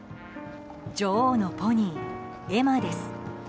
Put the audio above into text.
女王のポニー、エマです。